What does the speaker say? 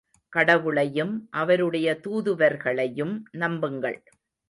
கடவுளையும் அவருடைய தூதுவர்களையும் நம்புங்கள்.